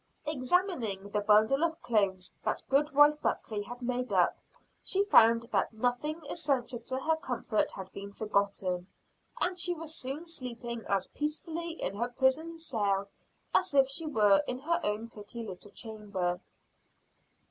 Examining the bundle of clothes that Goodwife Buckley had made up, she found that nothing essential to her comfort had been forgotten, and she soon was sleeping as peacefully in her prison cell as if she were in her own pretty little chamber.